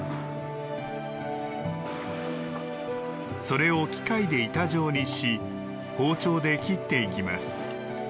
それを機械で板状にし包丁で切っていきます。